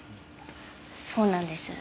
そうなんです。